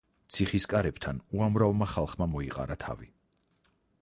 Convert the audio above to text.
ციხის კარებთან უამრავმა ხალხმა მოეყარა თავი.